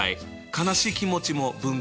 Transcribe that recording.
悲しい気持ちも分解。